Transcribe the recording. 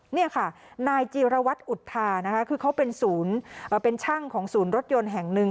นี่ค่ะนายจีรวรรษอุทธาคือเขาเป็นช่างของศูนย์รถยนต์แห่งหนึ่ง